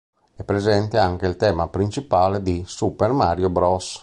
È presente anche il tema principale di "Super Mario Bros.